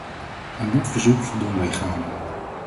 Aan dat verzoek voldoen wij gaarne.